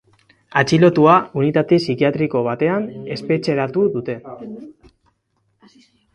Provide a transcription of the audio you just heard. Atxilotua unitate psikiatriko batean espetxeratu dute.